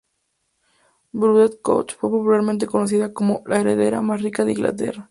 Burdett-Coutts fue popularmente conocida como "la heredera más rica de Inglaterra".